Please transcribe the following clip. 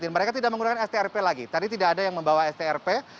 mereka tidak menggunakan strp lagi tadi tidak ada yang membawa strp